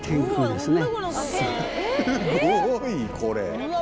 すごい！これ。